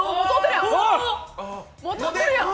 通ってるやん！